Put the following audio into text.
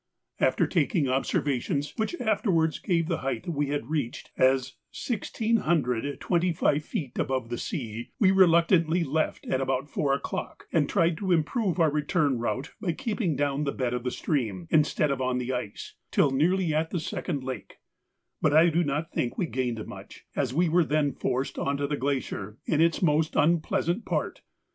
After taking observations, which afterwards gave the height we had reached as 1,625 feet above the sea, we reluctantly left at about four o'clock, and tried to improve our return route by keeping down the bed of the stream, instead of on the ice, till nearly at the second lake; but I do not think we gained much, as we were then forced on to the glacier in its most unpleasant part.